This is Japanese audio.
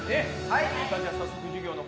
はい。